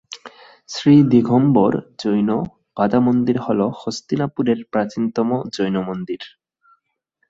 শ্রী দিগম্বর জৈন বাদা মন্দির হল হস্তিনাপুরের প্রাচীনতম জৈন মন্দির।